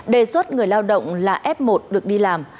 đề xuất người lao động là f một được đi làm